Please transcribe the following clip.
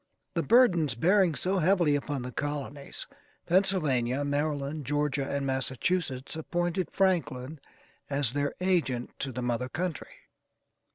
The burdens bearing so heavily upon the colonies: Pennsylvania, Maryland, Georgia, and Massachusetts, appointed Franklin as their agent to the mother country.